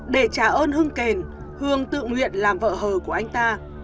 để trả ơn hưng kền hương tự nguyện làm vợ hờ của anh ta